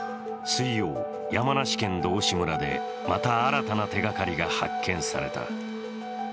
水曜、山梨県道志村で、また新たな手がかりが発見された。